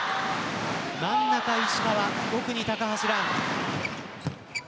真ん中石川、奥に高橋藍。